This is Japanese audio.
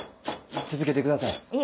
続けてください。